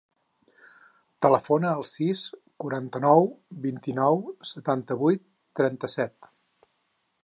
Telefona al sis, quaranta-nou, vint-i-nou, setanta-vuit, trenta-set.